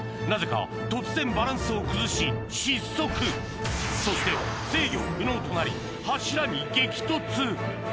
なぜか突然バランスを崩し失速そして制御不能となり柱に激突